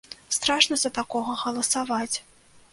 Страшна за такога галасаваць.